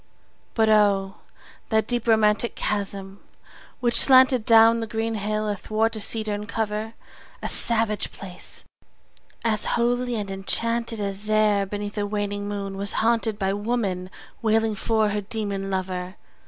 But O, that deep romantic chasm which slanted Down the green hill athwart a cedarn cover! A savage place! as holy and enchanted As e'er beneath a waning moon was haunted 15 By woman wailing for her demon lover!